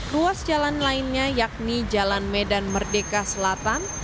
ruas jalan lainnya yakni jalan medan merdeka selatan